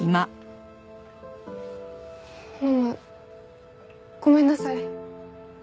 ママごめんなさい。